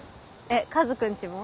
えっカズくんちも？